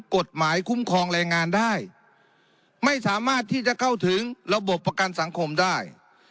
กฎหมายคุ้มครองแรงงานได้ไม่สามารถที่จะเข้าถึงระบบประกันสังคมได้